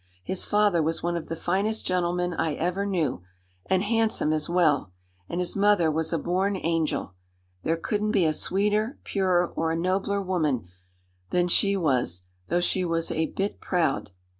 His father was one of the finest gentlemen I ever knew, and handsome as well; and his mother was a born angel. There couldn't be a sweeter, purer, or a nobler woman than she was, though she was a bit proud.